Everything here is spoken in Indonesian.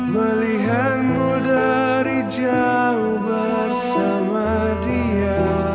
melihatmu dari jauh bersama dia